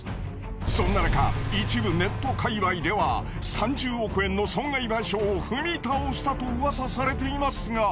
そんななか一部ネット界隈では３０億円の損害賠償を踏み倒したとうわさされていますが。